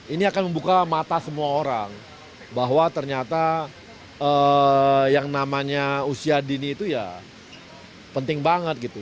ini akan membuka mata semua orang bahwa ternyata yang namanya usia dini itu ya penting banget gitu